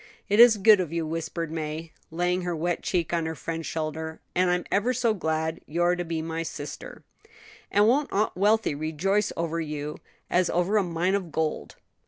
"It is good of you," whispered May, laying her wet cheek on her friend's shoulder; "and I'm ever so glad you're to be my sister." "And won't Aunt Wealthy rejoice over you as over a mine of gold!"